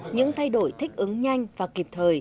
những thay đổi thích ứng nhanh và kịp thời